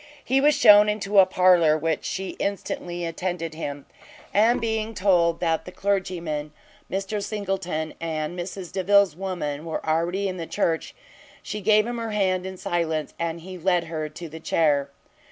He was shewn into a parlour, where she instantly attended him; and being told that the clergyman, Mr Singleton, and Mrs Delvile's woman, were already in the church, she gave him her hand in silence, and he led her to the chair.